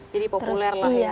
jadi populer lah ya